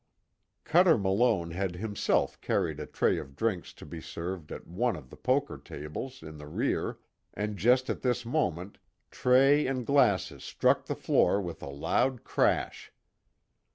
Cuter Malone had himself carried a tray of drinks to be served at one of the poker tables in the rear, and just at this moment, tray and glasses struck the floor with a loud crash.